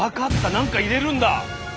何か入れるんだ！